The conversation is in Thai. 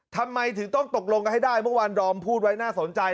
ทำไมถึงต้องตกลงกันให้ได้เมื่อวานดอมพูดไว้น่าสนใจ